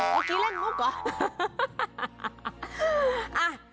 เมื่อกี้เล่นมุกเหรอ